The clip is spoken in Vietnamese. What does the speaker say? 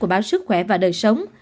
của báo sức khỏe và đời sống